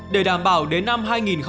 để đảm bảo đến năm hai nghìn hai mươi